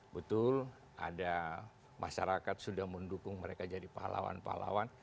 betul ada masyarakat sudah mendukung mereka jadi pahlawan pahlawan